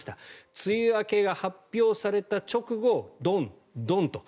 梅雨明けが発表された直後ドン、ドンと。